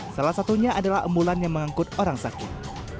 salah satunya adalah ambulan yang mengangkut orang sakit